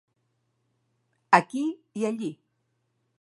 Aquí i allí.